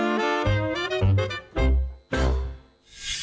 วิธีแบบไหนไปดูกันเล็ก